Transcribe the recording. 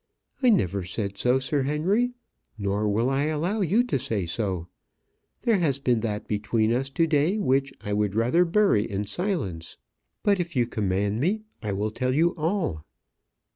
"I never said so, Sir Henry nor will I allow you to say so. There has been that between us to day which I would rather bury in silence. But if you command me, I will tell you all."